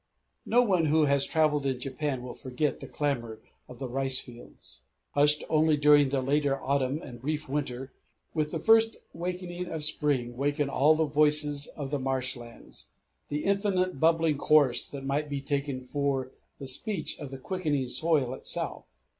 No one who has travelled in Japan will forget the clamor of the ricefields. Hushed only during the later autumn and brief winter, with the first wakening of spring waken all the voices of the marsh lands, the infinite bubbling chorus that might be taken for the speech of the quickening soil itself.